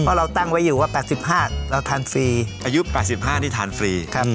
เพราะเราตั้งไว้อยู่ว่าแปดสิบห้าเราทานฟรีอายุแปดสิบห้านี่ทานฟรีครับ